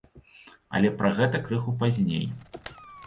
Але пра гэта крыху пазней.